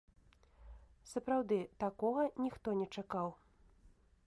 Сапраўды, такога ніхто не чакаў.